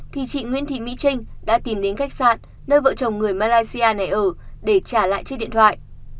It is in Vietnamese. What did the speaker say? thì chị nguyễn thị mỹ trinh đã tìm đến khách sạn nơi vợ chồng người malaysia này ở để trả lại chiếc điện thoại